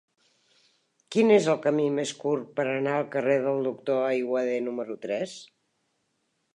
Quin és el camí més curt per anar al carrer del Doctor Aiguader número tres?